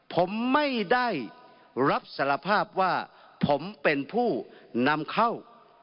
ผมไม่ได้รับสารภาพว่าผมเป็นผู้นำเข้า